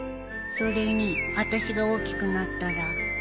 それにあたしが大きくなったら